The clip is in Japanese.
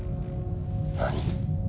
何？